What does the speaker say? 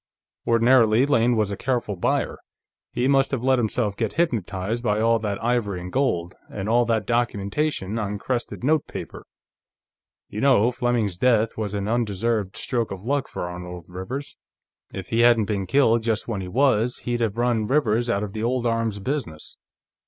Ordinarily, Lane was a careful buyer; he must have let himself get hypnotized by all that ivory and gold, and all that documentation on crested notepaper. You know, Fleming's death was an undeserved stroke of luck for Arnold Rivers. If he hadn't been killed just when he was, he'd have run Rivers out of the old arms business."